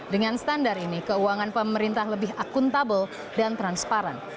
dengan standar ini keuangan pemerintah lebih akuntabel dan transparan